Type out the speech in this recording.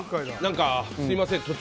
何かすみません